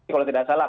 kalau tidak salah